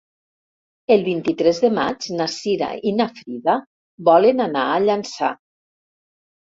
El vint-i-tres de maig na Cira i na Frida volen anar a Llançà.